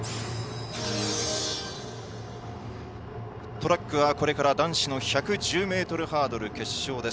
トラックは、これから男子１１０ｍハードル決勝。